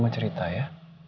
mama cerita ya